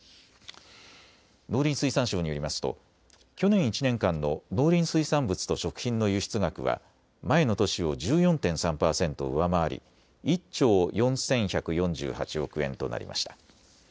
農林水産省によりますと去年１年間の農林水産物と食品の輸出額は前の年を１４．３％上回り１兆４１４８億円となりました。